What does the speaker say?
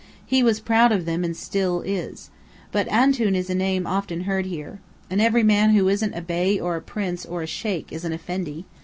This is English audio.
He was proud of them and is still. But Antoun is a name often heard here. And every man who isn't a Bey or a Prince, or a Sheikh, is an Effendi.